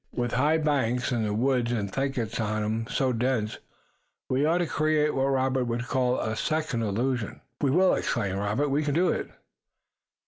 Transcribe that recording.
With high banks and the woods and thickets on 'em so dense, we ought to create what Robert would call a second illusion." "We will!" exclaimed Robert. "We can do it!"